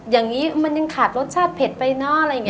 อย่างนี้มันยังขาดรสชาติเผ็ดไปเนอะอะไรอย่างนี้